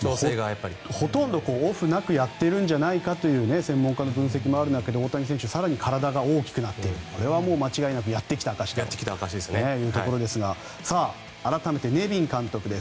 ほとんどオフなくやってるんじゃないかという専門家の分析もある中大谷選手、更に体が大きくなってこれはもう間違いなくやってきた証しだというところですが改めて、ネビン監督です。